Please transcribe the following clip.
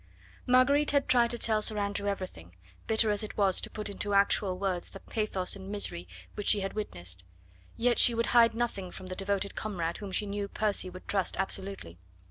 Marguerite had tried to tell Sir Andrew everything; bitter as it was to put into actual words the pathos and misery which she had witnessed, yet she would hide nothing from the devoted comrade whom she knew Percy would trust absolutely.